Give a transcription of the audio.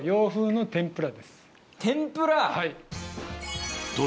天ぷら！